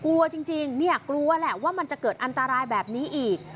กลัวจริงเนี่ยกลัวแหละว่ามันจะเกิดอันตรายแบบนี้อีก